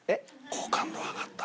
好感度上がった？